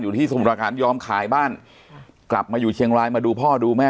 อยู่ที่สมรรถการณ์ยอมขายบ้านครับกลับมาอยู่เชียงรายมาดูพ่อดูแม่